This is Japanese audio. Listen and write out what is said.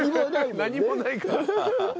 何もないから。